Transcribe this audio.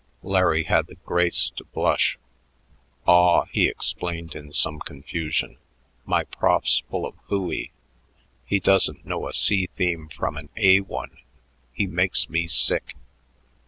Larry had the grace to blush. "Aw," he explained in some confusion, "my prof's full of hooey. He doesn't know a C theme from an A one. He makes me sick.